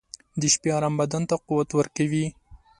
• د شپې ارام بدن ته قوت ورکوي.